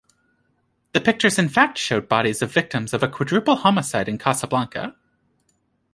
The pictures in fact showed bodies of victims of a quadruple homicide in Casablanca.